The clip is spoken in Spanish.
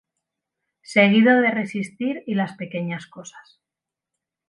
Seguido de "Resistir" y "Las Pequeñas Cosas".